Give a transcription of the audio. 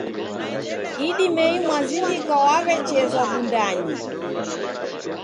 Idimei mwazindika waw'echezwa Wundanyi.